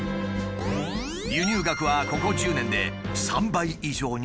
輸入額はここ１０年で３倍以上に増加した。